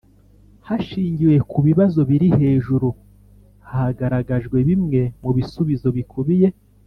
Hashingiwe ku bibazo biri hejuru hagaragajwe bimwe mu bisubizo bikubiye